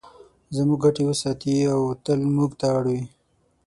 زموږ ګټې وساتي او تل موږ ته اړ وي.